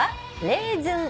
レーズン庫。